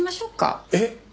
えっ！